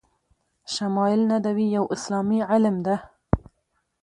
شمایل ندوی یو اسلامي علم ده